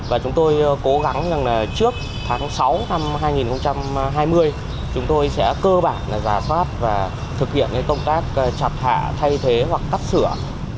và chúng tôi cố gắng trước tháng sáu năm hai nghìn hai mươi chúng tôi sẽ cơ bản giả soát và thực hiện công tác chặt hạ thay thế hoặc cắt sửa